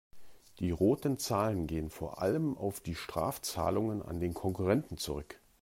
Die roten Zahlen gehen vor allem auf die Strafzahlungen an den Konkurrenten zurück.